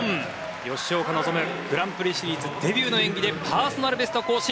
吉岡希グランプリシリーズデビューの演技でパーソナルベスト更新。